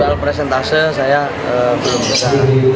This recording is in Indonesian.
kalau presentase saya belum bisa